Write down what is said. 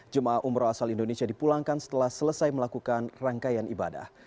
jemaah umroh asal indonesia dipulangkan setelah selesai melakukan rangkaian ibadah